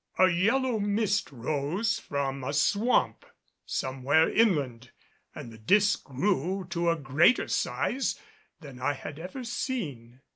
A yellow mist rose from a swamp somewhere inland and the disk grew to a greater size than I had ever seen.